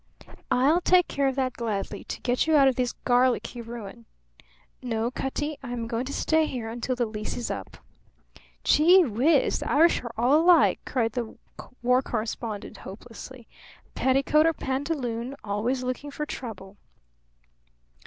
"I'll take care of that gladly, to get you out of this garlicky ruin." "No, Cutty; I'm going to stay here until the lease is up." "Gee whiz! The Irish are all alike," cried the war correspondent, hopelessly. "Petticoat or pantaloon, always looking for trouble."